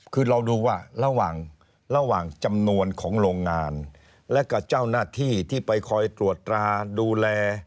คือเราดูว่าระหว่างระหว่างจำนวนของโรงงานและกับเจ้าหน้าที่ที่ไปคอยตรวจตราดูแล